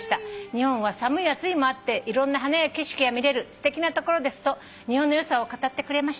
「『日本は寒い暑いもあっていろんな花や景色が見れるすてきな所です』と日本の良さを語ってくれました」